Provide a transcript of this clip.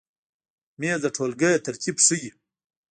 مېز د ټولګۍ ترتیب ښیي.